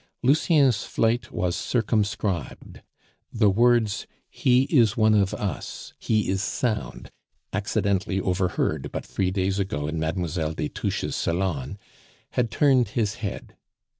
Lucien's flight was circumscribed. The words, "He is one of us, he is sound," accidentally overheard but three days ago in Mlle. de Touches' salon, had turned his head.